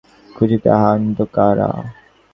তার জন্যে কোন চিন্তা নাই, মেয়েরা খুশীতে আত্মহারা।